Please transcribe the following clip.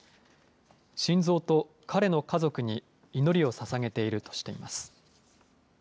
シンゾーと彼の家族に祈りをささげているとしています。